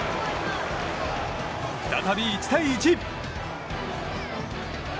再び１対１。